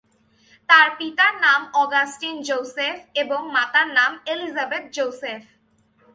তার পিতার নাম অগাস্টিন জোসেফ এবং মাতার নাম এলিজাবেথ জোসেফ।